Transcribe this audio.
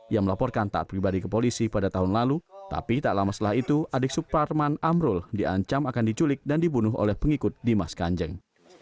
ia melaporkan taat pribadi ke polisi pada tahun lalu tapi tak lama setelah itu adik suparman amrul diancam akan diculik dan dibunuh oleh pengikut dimas kanjeng